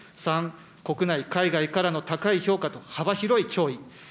３、国内、海外からの高い評価と幅広い弔意。